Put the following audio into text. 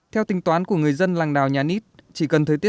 theo tính toán của người dân làng đào nhà nít